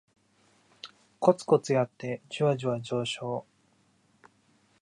コツコツやってジワジワ上昇